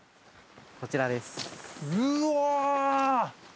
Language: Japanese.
こちらですうわ！